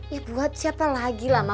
ya buat siapa lagi lama